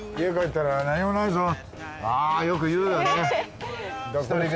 ああよく言うよね。